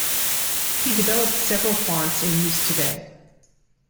He developed several fonts in use today.